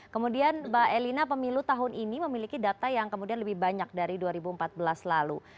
kemudian mbak elina pemilu tahun ini memiliki data yang kemudian lebih banyak dari dua ribu empat belas lalu